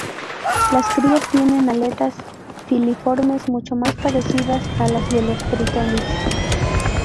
Las crías tienen aletas filiformes mucho más parecidas a las de los tritones.